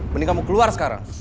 mending kamu keluar sekarang